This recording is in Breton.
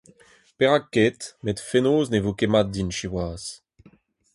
Perak ket, met fenoz ne vo ket mat din siwazh.